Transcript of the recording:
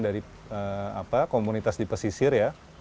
dari komunitas di pesisir